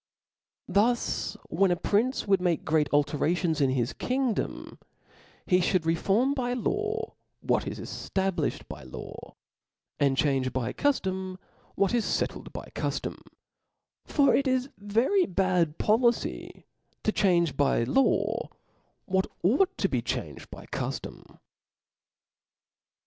Thus when a prioce would make great altera * tions in his kingdom, he fhould reform by law what is efl:abli(hed by law, and change by ^uftom what is fettled by cuftom j for it is very bad policy to change by law, what ought to be changed by cuftom.